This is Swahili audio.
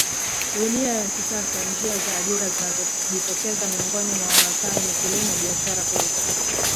dunia ya kisasaNjia za ajira zinazojitokeza miongoni mwa Wamasai ni kilimo biashara kuuza